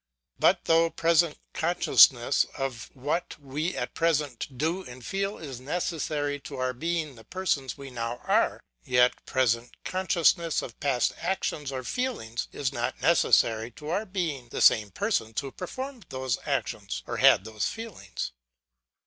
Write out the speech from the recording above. But though present consciousness of what we at present do and feel is necessary to our being the persons we now are ; yet present consciousness of past actions or feel ings is not necessary to our being the same persons who performed those actions, or had those feelings.